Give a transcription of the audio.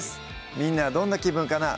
みんなはどんな気分かなぁ